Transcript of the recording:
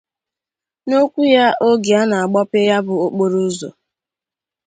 N'okwu ya oge ọ na-agbape ya bụ okporo ụzọ